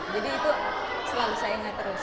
jadi itu selalu sayangnya terus